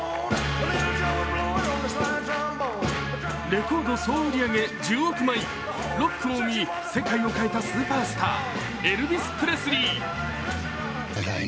レコード総売上１０億枚、ロックを生み世界を変えたスーパースター、エルヴィス・プレスリー。